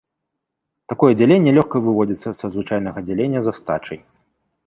Такое дзяленне лёгка выводзіцца са звычайнага дзялення з астачай.